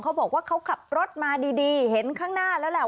เขาบอกว่าเขาขับรถมาดีเห็นข้างหน้าแล้วแหละ